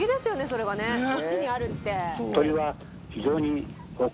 それがね「こっちにある」って。